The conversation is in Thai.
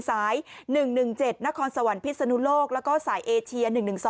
สาย๑๑๗นครสวรรค์พิศนุโลกแล้วก็สายเอเชีย๑๑๒